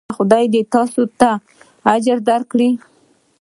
ایا خدای دې تاسو ته اجر درکړي؟